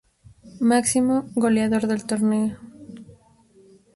Máximo goleador del torneo.